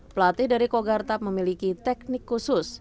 pelatih dari kogartap memiliki teknik khusus